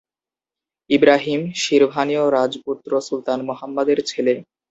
ইব্রাহিম, শিরভানীয় রাজপুত্র সুলতান মুহাম্মদের ছেলে।